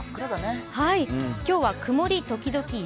今日は曇り時々雪。